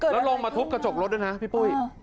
แล้วลงมาทุบกระจกรถด้วยนะพี่ปุ้ย